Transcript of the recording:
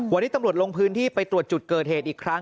วันนี้ตำรวจลงพื้นที่ไปตรวจจุดเกิดเหตุอีกครั้ง